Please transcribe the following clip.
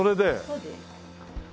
そうです。